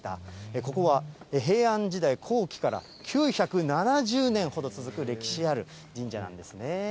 ここは平安時代後期から、９７０年ほど続く歴史ある神社なんですね。